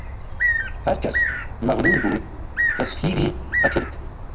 هەرکەس مەغروور بوو تەسخیری ئەکرد